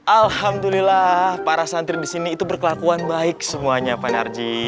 alhamdulillah para santri di sini itu berkelakuan baik semuanya pak narji